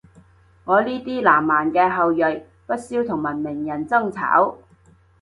我呢啲南蠻嘅後裔，不屑同文明人爭吵